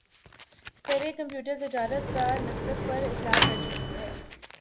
کَرئے computer تجارت کا Nasdaq پر اطلاق کر چکی ہے